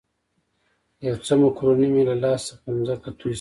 یو څه مکروني مې له لاس څخه پر مځکه توی شول.